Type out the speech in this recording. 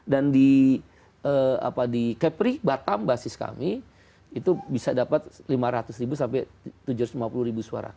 dan di capri batam basis kami itu bisa dapat lima ratus ribu sampai tujuh ratus lima puluh ribu suara